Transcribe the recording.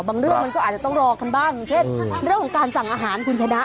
เรื่องมันก็อาจจะต้องรอกันบ้างอย่างเช่นเรื่องของการสั่งอาหารคุณชนะ